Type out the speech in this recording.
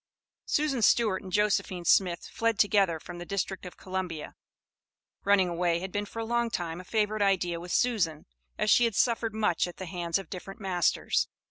Susan Stewart and Josephine Smith fled together from the District of Columbia. Running away had been for a long time a favorite idea with Susan, as she had suffered much at the hands of different masters.